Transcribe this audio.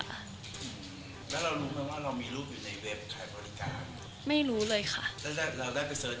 แล้วได้ไปเสิร์ชดูไหมว่ามีจิตไหมตามที่อักษรเวลามันเกลียด